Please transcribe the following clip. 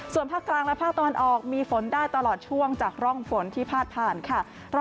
ส่วนภาคกลางและภาคตะวันออกมีฝนได้ตลอดช่วงจากร่องฝนที่พาดผ่านค่ะ